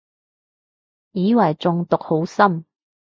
以為中毒好深